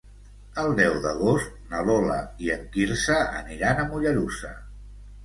El deu d'agost na Lola i en Quirze aniran a Mollerussa.